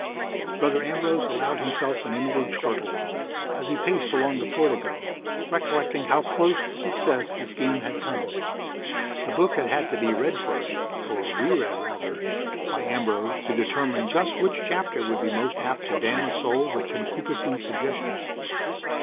Brother Ambrose allowed himself an inward chortle, as he paced along the portico, recollecting how close to success the scheme had come. The book had had to be read first (or re read, rather) by Ambrose to determine just which chapter would be most apt to damn a soul with concupiscent suggestion.